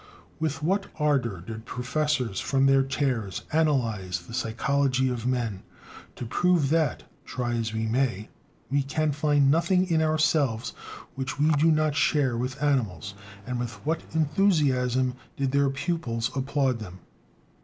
With what ardor did professors from their chairs analyze the psychology of men, to prove that, try as we may, we can find nothing in ourselves which we do not share with animals, and with what enthusiasm did their pupils applaud them!